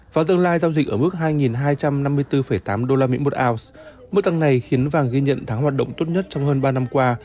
vào tương lai giao dịch ở mức hai hai trăm năm mươi bốn tám usd một ounce mức tăng này khiến vàng ghi nhận tháng hoạt động tốt nhất trong hơn ba năm qua